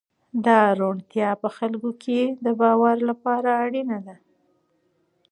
دا روڼتیا په خلکو کې د باور لپاره اړینه ده.